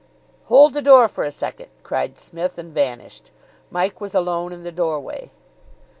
"Hold the door for a second," cried Psmith, and vanished. Mike was alone in the doorway.